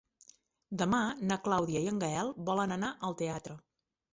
Demà na Clàudia i en Gaël volen anar al teatre.